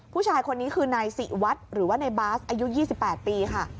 ผู้ชายคนนี้คือนายศิวัฒน์หรือว่าในบาสอายุ๒๘ปีค่ะ